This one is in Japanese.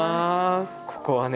ここはね